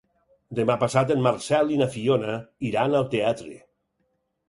Demà passat en Marcel i na Fiona iran al teatre.